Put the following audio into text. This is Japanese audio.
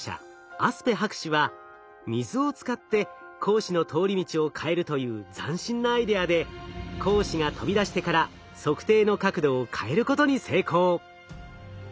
アスペ博士は水を使って光子の通り道を変えるという斬新なアイデアで光子が飛び出してから測定の角度を変えることに成功。